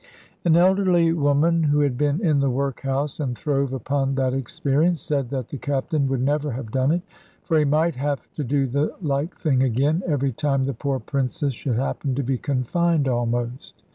An elderly woman, who had been in the workhouse, and throve upon that experience, said that the Captain would never have done it; for he might have to do the like thing again, every time the poor Princess should happen to be confined almost.